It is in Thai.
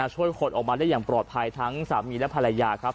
ช่วยคนออกมาได้อย่างปลอดภัยทั้งสามีและภรรยาครับ